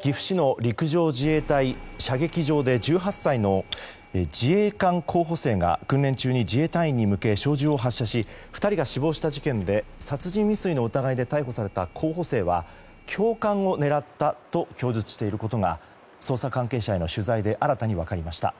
岐阜市の陸上自衛隊射撃場で１８歳の自衛官候補生が訓練中に自衛隊員に向け小銃を発射し２人が死亡した事件で殺人未遂の疑いで逮捕された候補生が教官を狙ったと供述していることが捜査関係者への取材で新たに分かりました。